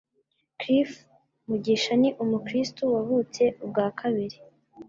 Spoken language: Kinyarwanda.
Cliff Mugisha ni umukristo wavutse ubwa kabiri